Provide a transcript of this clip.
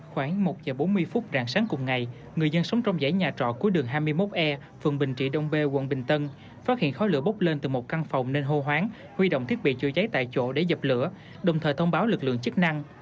khoảng một giờ bốn mươi phút rạng sáng cùng ngày người dân sống trong dãy nhà trọ cuối đường hai mươi một e phường bình trị đông bê quận bình tân phát hiện khói lửa bốc lên từ một căn phòng nên hô hoáng huy động thiết bị chữa cháy tại chỗ để dập lửa đồng thời thông báo lực lượng chức năng